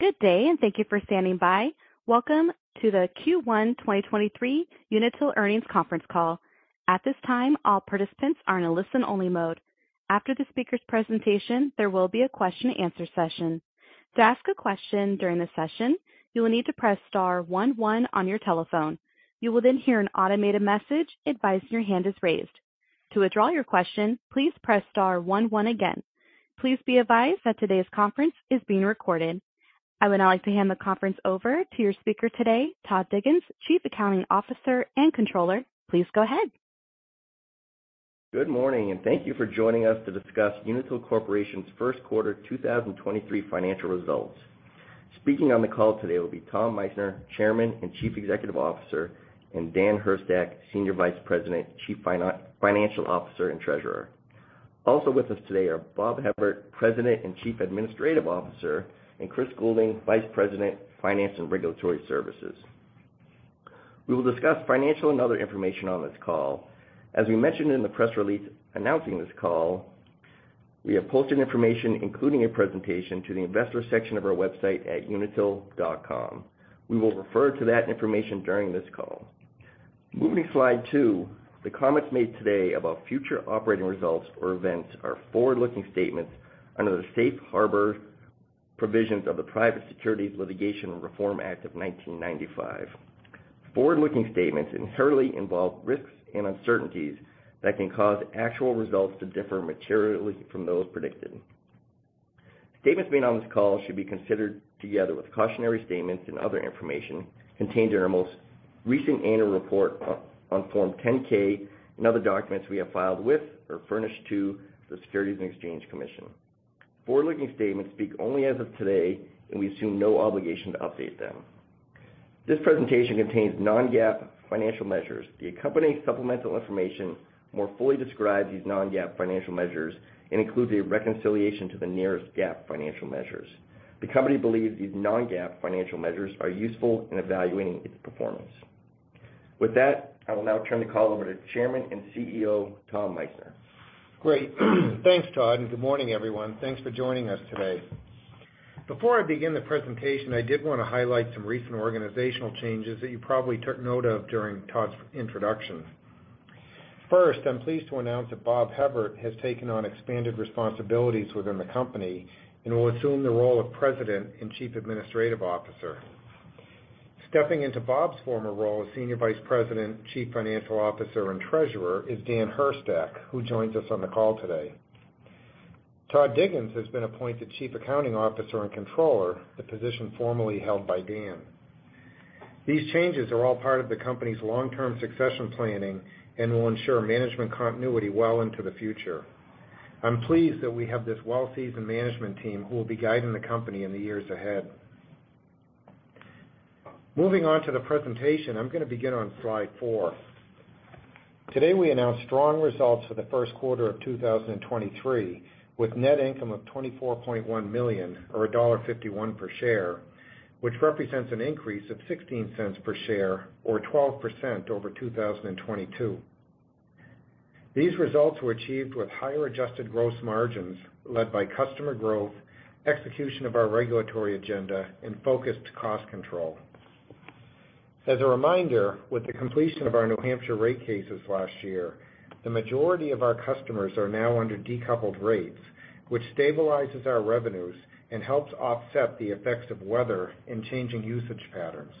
Good day, and thank you for standing by. Welcome to the Q1 2023 Unitil Earnings Conference Call. At this time, all participants are in a listen-only mode. After the speaker's presentation, there will be a question-and-answer session. To ask a question during the session, you will need to press star 1 1 on your telephone. You will then hear an automated message advising your hand is raised. To withdraw your question, please press star 1 1 again. Please be advised that today's conference is being recorded. I would now like to hand the conference over to your speaker today, Todd Diggins, Chief Accounting Officer and Controller. Please go ahead. Good morning, and thank you for joining us to discuss Unitil Corporation's Q1 2023 financial results. Speaking on the call today will be Tom Meissner, Chairman and Chief Executive Officer, and Dan Hurstak, Senior Vice President, Chief Financial Officer, and Treasurer. Also with us today are Bob Hevert, President and Chief Administrative Officer, and Chris Goulding, Vice President, Finance and Regulatory Services. We will discuss financial and other information on this call. As we mentioned in the press release announcing this call, we have posted information, including a presentation, to the investor section of our website at unitil.com. We will refer to that information during this call. Moving to slide 2. The comments made today about future operating results or events are forward-looking statements under the safe harbor provisions of the Private Securities Litigation Reform Act of 1995. Forward-looking statements inherently involve risks and uncertainties that can cause actual results to differ materially from those predicted. Statements made on this call should be considered together with cautionary statements and other information contained in our most recent annual report on Form 10-K and other documents we have filed with or furnished to the Securities and Exchange Commission. Forward-looking statements speak only as of today. We assume no obligation to update them. This presentation contains non-GAAP financial measures. The accompanying supplemental information more fully describes these non-GAAP financial measures and includes a reconciliation to the nearest GAAP financial measures. The company believes these non-GAAP financial measures are useful in evaluating its performance. With that, I will now turn the call over to Chairman and CEO, Tom Meissner. Great. Thanks, Todd. Good morning, everyone. Thanks for joining us today. Before I begin the presentation, I did want to highlight some recent organizational changes that you probably took note of during Todd's introduction. First, I'm pleased to announce that Bob Hevert has taken on expanded responsibilities within the company and will assume the role of President and Chief Administrative Officer. Stepping into Bob's former role as Senior Vice President, Chief Financial Officer, and Treasurer is Dan Hurstak, who joins us on the call today. Todd Diggins has been appointed Chief Accounting Officer and Controller, the position formerly held by Dan. These changes are all part of the company's long-term succession planning and will ensure management continuity well into the future. I'm pleased that we have this well-seasoned management team who will be guiding the company in the years ahead. Moving on to the presentation. I'm gonna begin on slide 4. Today, we announced strong results for the Q1 of 2023, with net income of $24.1 million or $1.51 per share, which represents an increase of $0.16 per share or 12 percent over 2022. These results were achieved with higher adjusted gross margins led by customer growth, execution of our regulatory agenda, and focused cost control. As a reminder, with the completion of our New Hampshire rate cases last year, the majority of our customers are now under decoupled rates, which stabilizes our revenues and helps offset the effects of weather and changing usage patterns.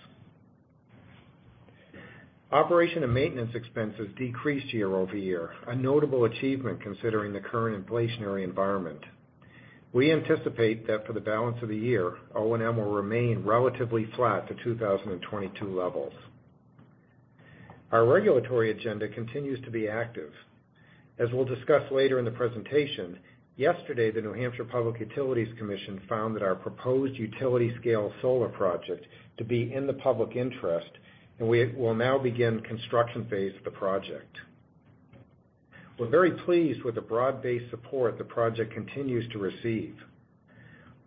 Operation and maintenance expenses decreased year-over-year, a notable achievement considering the current inflationary environment. We anticipate that for the balance of the year, O&M will remain relatively flat to 2022 levels. Our regulatory agenda continues to be active. As we'll discuss later in the presentation, yesterday, the New Hampshire Public Utilities Commission found that our proposed utility-scale solar project to be in the public interest. We will now begin the construction phase of the project. We're very pleased with the broad-based support the project continues to receive.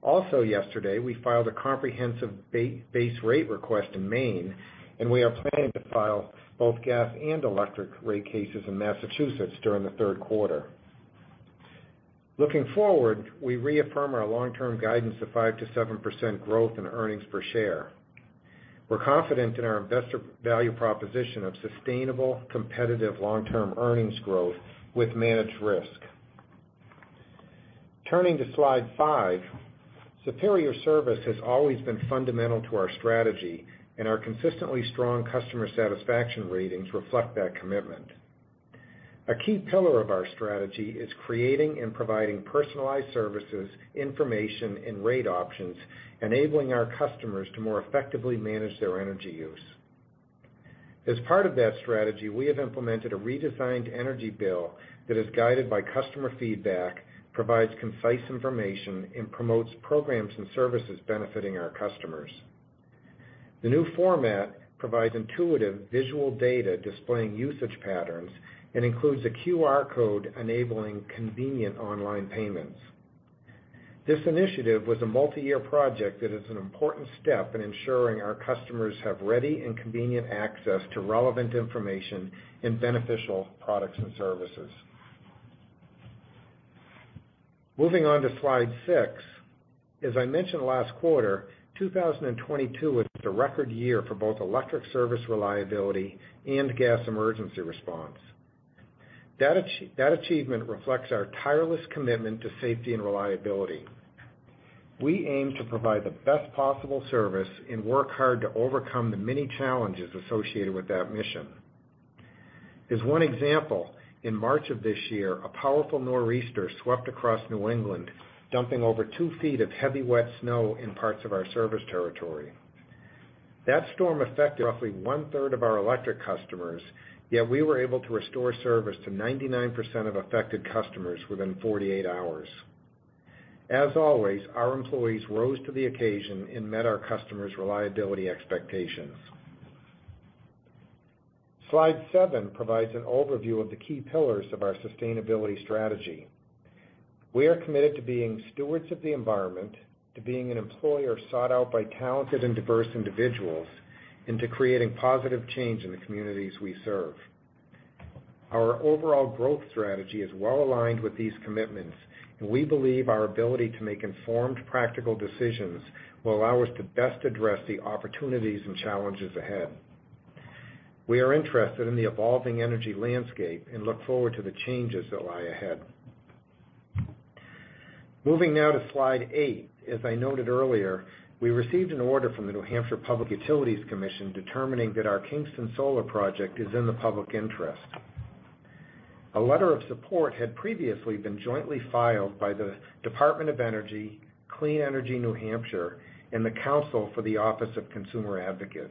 Also yesterday, we filed a comprehensive base rate request in Maine. We are planning to file both gas and electric rate cases in Massachusetts during the Q3. Looking forward, we reaffirm our long-term guidance of 5% to 7% growth in earnings per share. We're confident in our investor value proposition of sustainable, competitive, long-term earnings growth with managed risk. Turning to slide 5. Superior service has always been fundamental to our strategy. Our consistently strong customer satisfaction ratings reflect that commitment. A key pillar of our strategy is creating and providing personalized services, information, and rate options, enabling our customers to more effectively manage their energy use. As part of that strategy, we have implemented a redesigned energy bill that is guided by customer feedback, provides concise information, and promotes programs and services benefiting our customers. The new format provides intuitive visual data displaying usage patterns and includes a QR code enabling convenient online payments. This initiative was a multi-year project that is an important step in ensuring our customers have ready and convenient access to relevant information and beneficial products and services. Moving on to slide six. As I mentioned last quarter, 2022 was a record year for both electric service reliability and gas emergency response. That achievement reflects our tireless commitment to safety and reliability. We aim to provide the best possible service and work hard to overcome the many challenges associated with that mission. As one example, in March of this year, a powerful nor'easter swept across New England, dumping over two feet of heavy, wet snow in parts of our service territory. That storm affected roughly one-third of our electric customers, yet we were able to restore service to 99% of affected customers within 48 hours. As always, our employees rose to the occasion and met our customers' reliability expectations. Slide seven provides an overview of the key pillars of our sustainability strategy. We are committed to being stewards of the environment, to being an employer sought out by talented and diverse individuals, and to creating positive change in the communities we serve. Our overall growth strategy is well aligned with these commitments. We believe our ability to make informed, practical decisions will allow us to best address the opportunities and challenges ahead. We are interested in the evolving energy landscape and look forward to the changes that lie ahead. Moving now to slide 8. As I noted earlier, we received an order from the New Hampshire Public Utilities Commission determining that our Kingston Solar project is in the public interest. A letter of support had previously been jointly filed by the Department of Energy, Clean Energy New Hampshire, and the Council for the Office of the Consumer Advocate.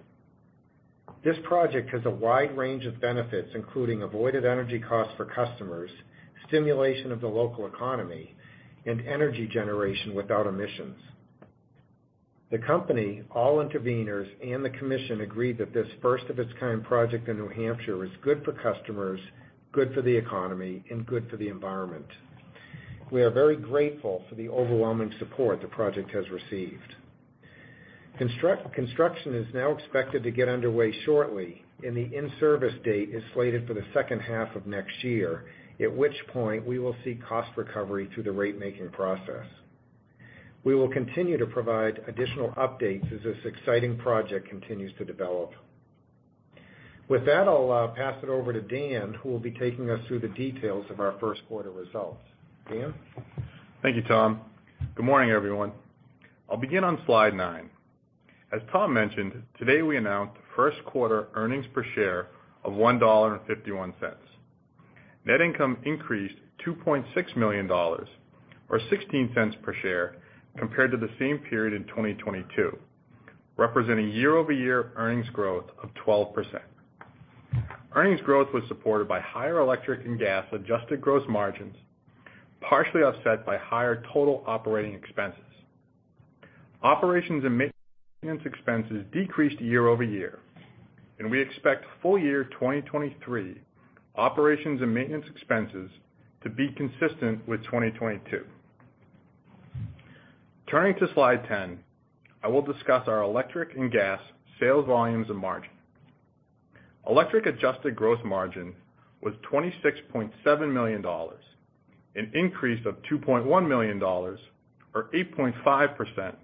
This project has a wide range of benefits, including avoided energy costs for customers, stimulation of the local economy, and energy generation without emissions. The company, all interveners, and the commission agreed that this first-of-its-kind project in New Hampshire is good for customers, good for the economy, and good for the environment. We are very grateful for the overwhelming support the project has received. Construction is now expected to get underway shortly, and the in-service date is slated for the second half of next year, at which point we will seek cost recovery through the rate-making process. We will continue to provide additional updates as this exciting project continues to develop. With that, I'll pass it over to Dan, who will be taking us through the details of our Q1 results. Dan? Thank you, Tom. Good morning, everyone. I'll begin on slide 9. As Tom mentioned, today we announced Q1 earnings per share of $1.51. Net income increased $2.6 million, or $0.16 per share, compared to the same period in 2022, representing year-over-year earnings growth of 12%. Earnings growth was supported by higher electric and gas adjusted gross margins, partially offset by higher total operating expenses. Operations and maintenance expenses decreased year-over-year, and we expect full-year 2023 Operations and maintenance expenses to be consistent with 2022. Turning to slide 10, I will discuss our electric and gas sales volumes and margin. Electric adjusted gross margin was $26.7 million, an increase of $2.1 million, or 8.5 percent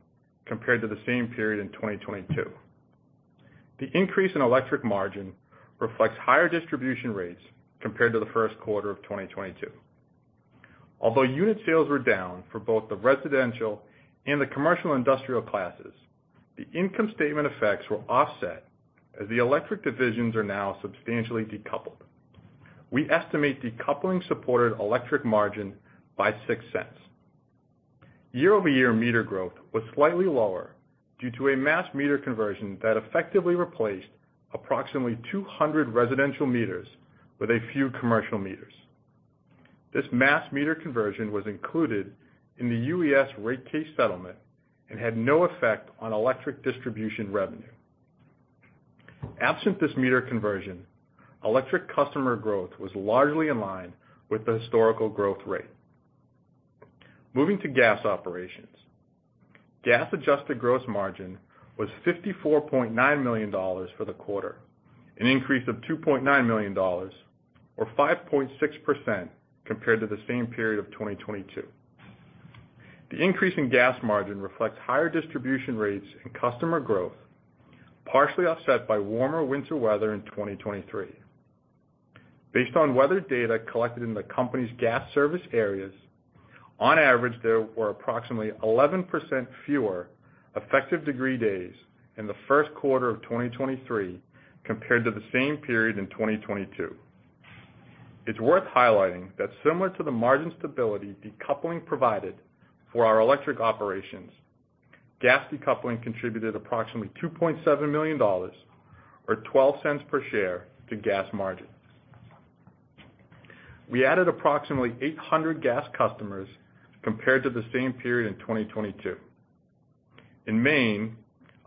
compared to the same period in 2022. The increase in electric margin reflects higher distribution rates compared to the Q1 of 2022. Although unit sales were down for both the residential and the commercial industrial classes, the income statement effects were offset as the electric divisions are now substantially decoupled. We estimate decoupling supported electric margin by $0.06. Year-over-year meter growth was slightly lower due to a mass meter conversion that effectively replaced approximately 200 residential meters with a few commercial meters. This mass meter conversion was included in the UES rate case settlement and had no effect on electric distribution revenue. Absent this meter conversion, electric customer growth was largely in line with the historical growth rate. Moving to gas operations. Gas adjusted gross margin was $54.9 million for the quarter, an increase of $2.9 million or 5.6% compared to the same period of 2022. The increase in gas margin reflects higher distribution rates and customer growth, partially offset by warmer winter weather in 2023. Based on weather data collected in the company's gas service areas, on average, there were approximately 11% fewer effective degree days in the Q1 of 2023 compared to the same period in 2022. It's worth highlighting that similar to the margin stability decoupling provided for our electric operations, gas decoupling contributed approximately $2.7 million or $0.12 per share to gas margins. We added approximately 800 gas customers compared to the same period in 2022. In Maine,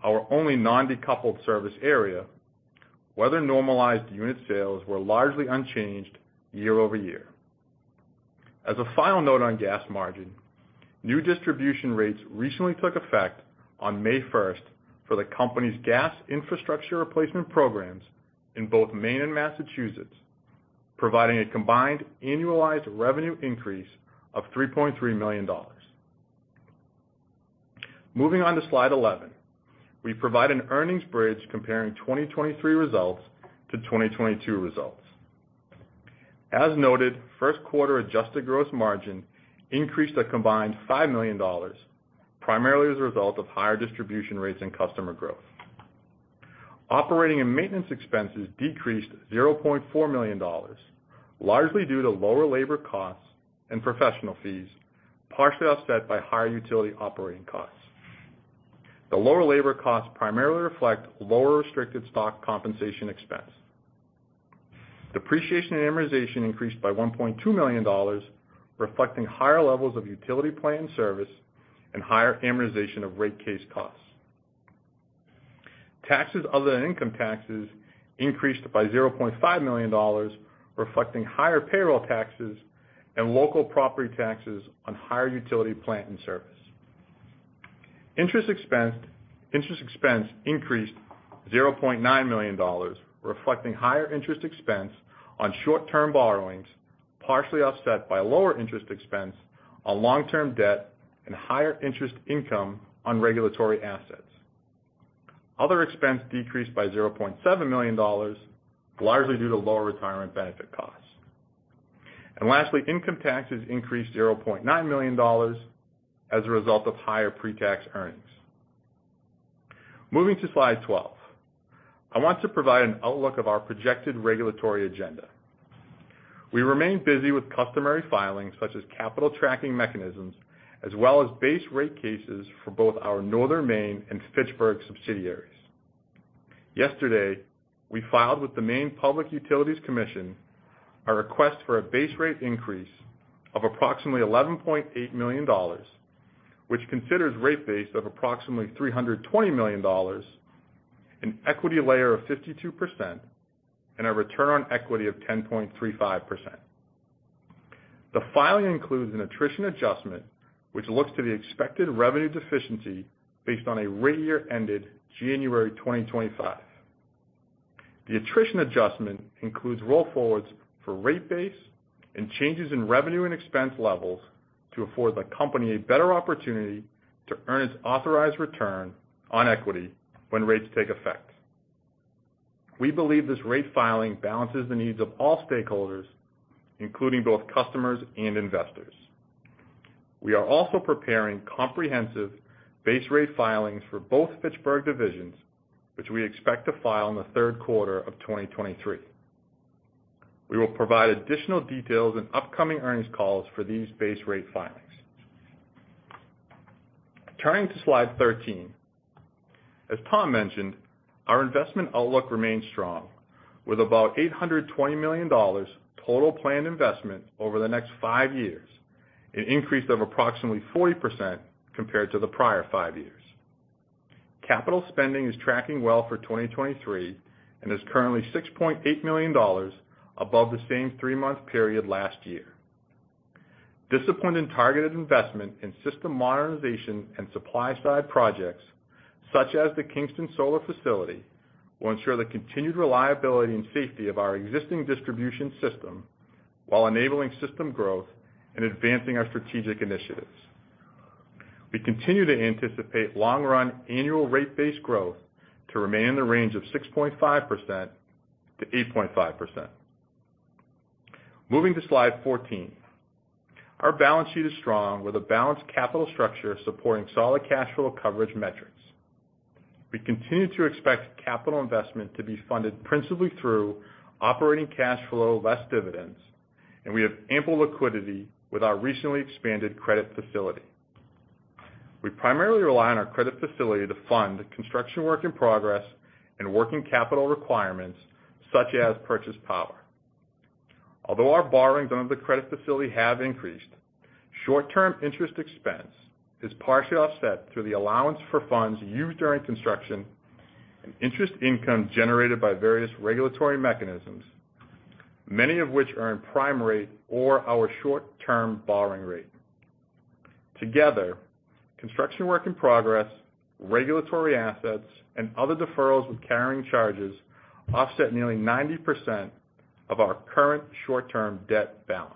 our only non-decoupled service area, weather-normalized unit sales were largely unchanged year-over-year. As a final note on gas margin. New distribution rates recently took effect on May 1st for the company's gas infrastructure replacement programs in both Maine and Massachusetts, providing a combined annualized revenue increase of $3.3 million. Moving on to slide 11. We provide an earnings bridge comparing 2023 results to 2022 results. As noted, Q1 adjusted gross margin increased a combined $5 million, primarily as a result of higher distribution rates and customer growth. Operating and maintenance expenses decreased $0.4 million, largely due to lower labor costs and professional fees, partially offset by higher utility operating costs. The lower labor costs primarily reflect lower restricted stock compensation expense. Depreciation and amortization increased by $1.2 million, reflecting higher levels of utility plant service and higher amortization of rate case costs. Taxes other than income taxes increased by $0.5 million, reflecting higher payroll taxes and local property taxes on higher utility plant and service. Interest expense increased $0.9 million, reflecting higher interest expense on short-term borrowings, partially offset by lower interest expense on long-term debt and higher interest income on regulatory assets. Other expense decreased by $0.7 million, largely due to lower retirement benefit costs. Lastly, income taxes increased $0.9 million as a result of higher pre-tax earnings. Moving to slide 12. I want to provide an outlook of our projected regulatory agenda. We remain busy with customary filings such as capital tracking mechanisms as well as base rate cases for both our Northern Utilities and Fitchburg subsidiaries. Yesterday, we filed with the Maine Public Utilities Commission a request for a base rate increase of approximately $11.8 million, which considers rate base of approximately $320 million, an equity layer of 52%, and a return on equity of 10.35%. The filing includes an attrition adjustment, which looks to the expected revenue deficiency based on a rate year ended January 2025. The attrition adjustment includes roll forwards for rate base and changes in revenue and expense levels to afford the company a better opportunity to earn its authorized return on equity when rates take effect. We believe this rate filing balances the needs of all stakeholders, including both customers and investors. We are also preparing comprehensive base rate filings for both Fitchburg divisions, which we expect to file in the Q3 of 2023. We will provide additional details in upcoming earnings calls for these base rate filings. Turning to slide 13. As Tom mentioned, our investment outlook remains strong, with about $820 million total planned investment over the next five years, an increase of approximately 40% compared to the prior five years. Capital spending is tracking well for 2023 and is currently $6.8 million above the same three-month period last year. Disciplined and targeted investment in system modernization and supply-side projects, such as the Kingston Solar Facility, will ensure the continued reliability and safety of our existing distribution system while enabling system growth and advancing our strategic initiatives. We continue to anticipate long-run annual rate-based growth to remain in the range of 6.5 percent to 8.5 percent. Moving to slide 14. Our balance sheet is strong with a balanced capital structure supporting solid cash flow coverage metrics. We continue to expect capital investment to be funded principally through operating cash flow less dividends, and we have ample liquidity with our recently expanded credit facility. We primarily rely on our credit facility to fund construction work in progress and working capital requirements such as purchase power. Although our borrowings under the credit facility have increased, short-term interest expense is partially offset through the allowance for funds used during construction and interest income generated by various regulatory mechanisms, many of which earn prime rate or our short-term borrowing rate. Together, construction work in progress, regulatory assets, and other deferrals with carrying charges offset nearly 90% of our current short-term debt balance.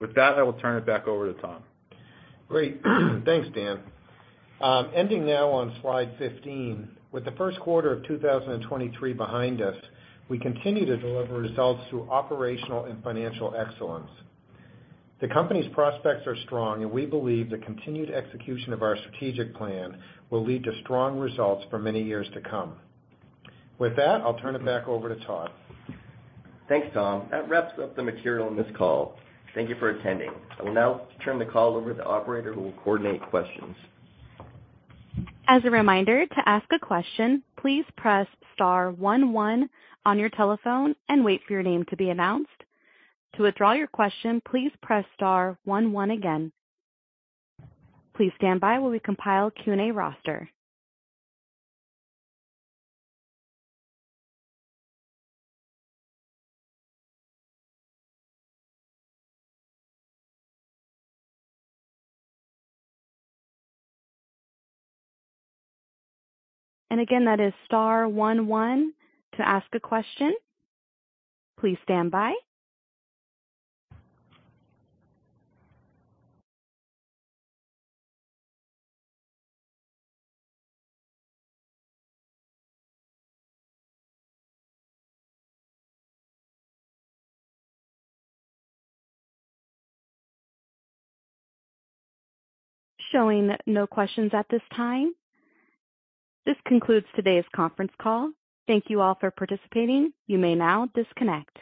With that, I will turn it back over to Tom. Great. Thanks, Dan. Ending now on slide 15. With the Q1 of 2023 behind us, we continue to deliver results through operational and financial excellence. The company's prospects are strong, and we believe the continued execution of our strategic plan will lead to strong results for many years to come. With that, I'll turn it back over to Todd. Thanks, Tom. That wraps up the material in this call. Thank you for attending. I will now turn the call over to the operator who will coordinate questions. As a reminder, to ask a question, please press star 11 on your telephone and wait for your name to be announced. To withdraw your question, please press star 11 again. Please stand by while we compile Q&A roster. Again, that is star 11 to ask a question. Please stand by. Showing no questions at this time. This concludes today's Conference Call. Thank you all for participating. You may now disconnect.